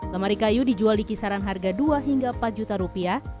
lemari kayu dijual di kisaran harga dua hingga empat juta rupiah